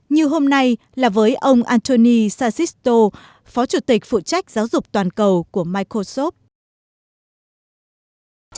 như hôm nay là với ông antony sassisto phó chủ tịch phụ trách giáo dục toàn cầu của microsoft